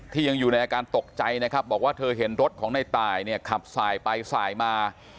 ยังอยู่ในอาการตกใจนะครับบอกว่าเธอเห็นรถของในตายเนี่ยขับสายไปสายมา